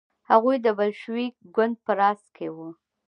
هغوی د بلشویک ګوند په راس کې وو.